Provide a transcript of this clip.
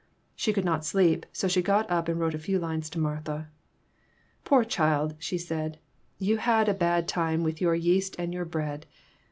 She could not sleep, so she got up and wrote a few lines to Martha. "Poor child!" she said, "you had a bad time PERTURBATIONS. 65 with your yeast and your bread.